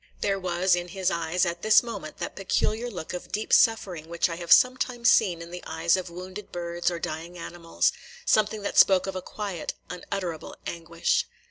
There was in his eyes at this moment that peculiar look of deep suffering which I have sometimes seen in the eyes of wounded birds or dying animals, – something that spoke of a quiet, unutterable anguish.